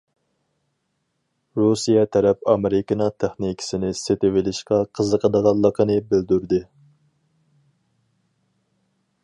رۇسىيە تەرەپ ئامېرىكىنىڭ تېخنىكىسىنى سېتىۋېلىشقا قىزىقىدىغانلىقىنى بىلدۈردى.